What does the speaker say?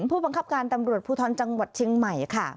ผู้บังคับการตำรวจภูทรจังหวัดเชียงใหม่ค่ะ